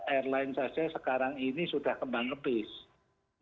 airline saja sekarang ini sudah kembang apis